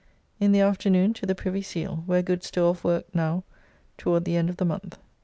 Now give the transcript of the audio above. In the afternoon to the Privy Seal, where good store of work now toward the end of the month.